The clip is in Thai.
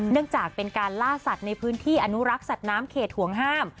เนื่องจากเป็นการล่าสัตว์ในพื้นที่อนุรักษ์สัตว์น้ำเขตห่วงห้าม